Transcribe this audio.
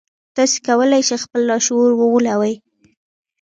تاسې کولای شئ خپل لاشعور وغولوئ